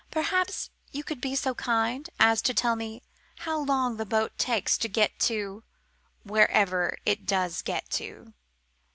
Perhaps you could be so kind as to tell me how long the boat takes to get to wherever it does get to?"